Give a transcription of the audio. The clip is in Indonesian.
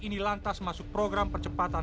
ini lantas masuk program percepatan